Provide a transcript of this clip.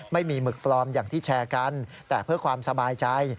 หมึกปลอมอย่างที่แชร์กันแต่เพื่อความสบายใจ